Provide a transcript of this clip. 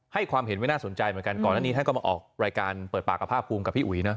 ความเห็นไว้น่าสนใจเหมือนกันก่อนหน้านี้ท่านก็มาออกรายการเปิดปากกับภาคภูมิกับพี่อุ๋ยนะ